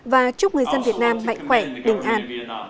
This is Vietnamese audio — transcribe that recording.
và chúc người dân việt nam mạnh khỏe bình an